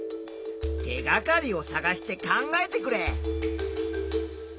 手がかりをさがして考えてくれ。